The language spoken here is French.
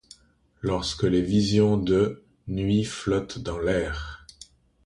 Lorsque les visions de, nuit flottent dans l'air "